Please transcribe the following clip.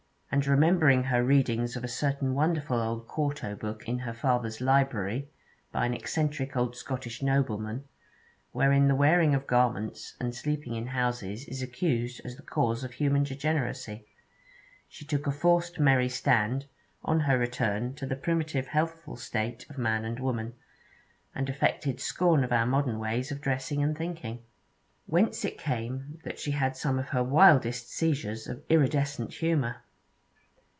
And remembering her readings of a certain wonderful old quarto book in her father's library, by an eccentric old Scottish nobleman, wherein the wearing of garments and sleeping in houses is accused as the cause of human degeneracy, she took a forced merry stand on her return to the primitive healthful state of man and woman, and affected scorn of our modern ways of dressing and thinking. Whence it came that she had some of her wildest seizures of iridescent humour.